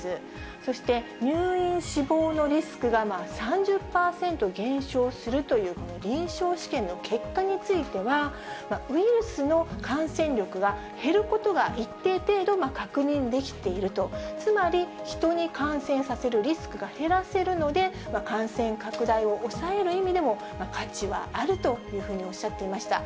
そして、入院・死亡のリスクが３０％減少するというこの臨床試験の結果については、ウイルスの感染力が減ることが一定程度確認できていると、つまり、人に感染させるリスクが減らせるので、感染拡大を抑える意味でも、価値はあるというふうにおっしゃっていました。